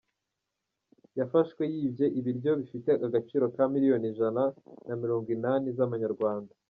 Yafashwe yibye ibiryo bifite agaciro ka Miliyoni Ijana na mirongo inani z’amanyarwanda